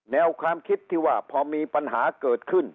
แนวความคิดที่ว่าพอมีปัญหาเกิดขึ้น